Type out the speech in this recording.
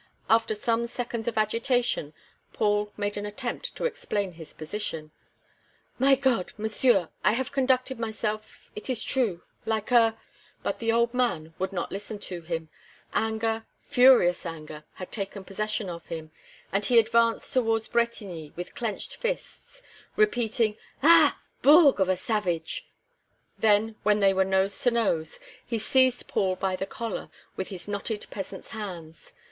After some seconds of agitation, Paul made an attempt to explain his position. "My God! Monsieur I have conducted myself it is true like a " But the old man would not listen to him. Anger, furious anger, had taken possession of him, and he advanced toward Bretigny, with clenched fists, repeating: "Ah! bougrrre of a savage " Then, when they were nose to nose, he seized Paul by the collar with his knotted peasant's hands.